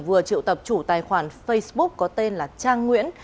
vừa triệu tập chủ tài khoản facebook có tên là trang nguyễn